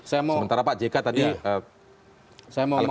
sementara pak jk tadi elektabilitas seperti itu